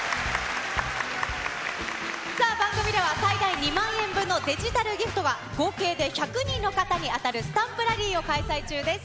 番組では、最大２万円分のデジタルギフトが合計で１００人の方に当たる、スタンプラリーを開催中です。